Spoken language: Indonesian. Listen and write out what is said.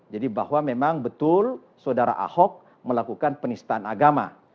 jadi bahwa memang betul saudara ahok melakukan penistaan agama